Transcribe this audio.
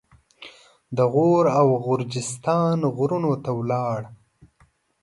د غور او غرجستان غرونو ته ولاړ.